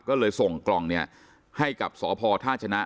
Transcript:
ก็เลยส่งกล่องเนี่ยให้กับสพท่าชนะ